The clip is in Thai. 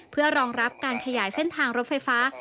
เพื่อรองรับการขยายเส้นทางรถไฟฟ้า